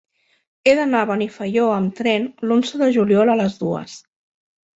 He d'anar a Benifaió amb tren l'onze de juliol a les dues.